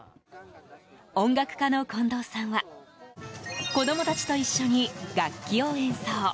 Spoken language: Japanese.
音楽家の近藤さんは子供たちと一緒に楽器を演奏。